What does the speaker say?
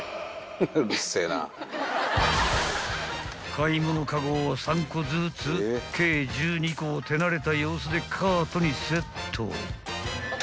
［買い物カゴを３個ずつ計１２個を手慣れた様子でカートにセット］